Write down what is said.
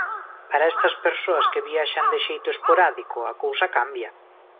Para estas persoas que viaxan de xeito esporádico a cousa cambia.